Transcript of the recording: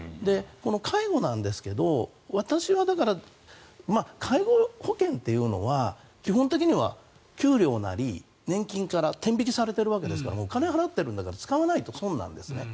介護なんですけど私は介護保険というのは基本的には給料なり年金から天引きされているわけですからお金を払っているから使わないと損なんですね。